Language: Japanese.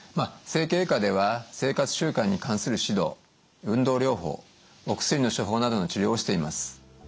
整形外科では生活習慣に関する指導運動療法お薬の処方などの治療をしています。